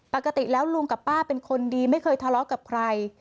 ปกติแล้วลุงกับป้าเป็นคนดีไม่เคยทะเลาะกับใคร